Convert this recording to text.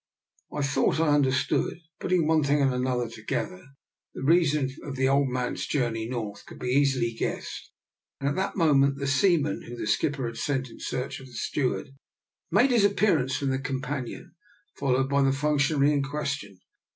I thought I understood. Putting one thing and another together, the reason of the old man's journey North could be easily guessed. At that moment the seaman, whom 76 DR. NIKOLA'S EXPERIMENT. the skipper had sent in search of the stew ard, made his appearance from the compan ion, followed by the functionary in question.